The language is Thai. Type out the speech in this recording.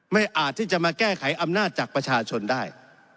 อาจที่จะมาแก้ไขอำนาจจากประชาชนได้